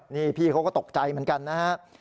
นี่พี่เขาก็ตกใจเหมือนกันนะฮะ